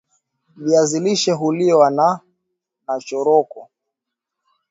viazi lishe huliwa na nachoroko